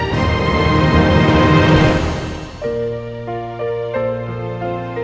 pangeran putri jalita